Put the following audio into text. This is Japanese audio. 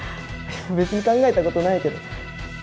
別に考えたことないけど。